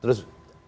terus andai kata